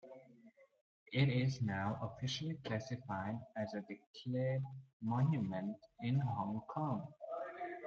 It is now officially classified as a declared monument in Hong Kong.